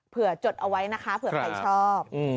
จดเอาไว้นะคะเผื่อใครชอบ